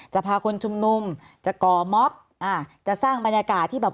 พาคนชุมนุมจะก่อม็อบอ่าจะสร้างบรรยากาศที่แบบ